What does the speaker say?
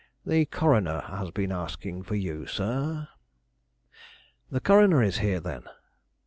The coroner has been asking for you, sir." "The coroner is here, then?"